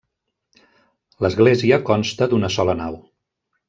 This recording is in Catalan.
L'església consta d'una sola nau.